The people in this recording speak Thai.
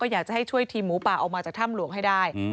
อยากจะให้ช่วยทีมหมูป่าออกมาจากถ้ำหลวงให้ได้